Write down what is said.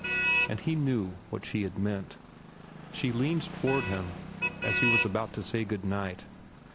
And he knew what she had meant. She leaned toward him as he was about to say good night.